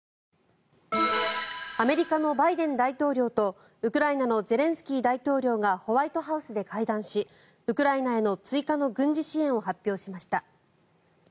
アメリカのバイデン大統領とウクライナのゼレンスキー大統領がホワイトハウスで会談しウクライナへの追加の軍事支援を発表しました。